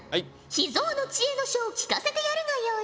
秘蔵の知恵の書を聞かせてやるがよい。